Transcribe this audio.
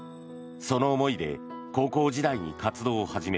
その思いで高校時代に活動を始め